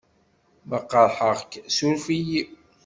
Ma qerḥeɣ-k surf-iyi.